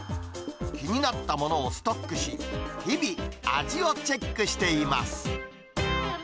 気になったものをストックし、日々、味をチェックしています。